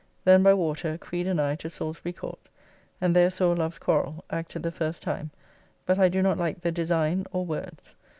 Then by water, Creed and I, to Salisbury Court and there saw "Love's Quarrell" acted the first time, but I do not like the design or words.